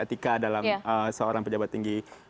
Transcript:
etika dalam seorang pejabat tinggi